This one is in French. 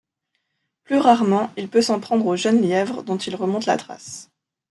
Plus rarement, il peut s'en prendre au jeune lièvre dont il remonte la trace.